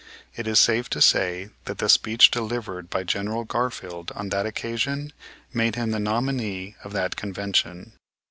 It is safe to say that the speech delivered by General Garfield on that occasion made him the nominee of that convention.